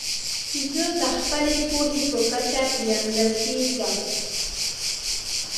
زه د خپلي پوهي په کچه پېژندل کېږم.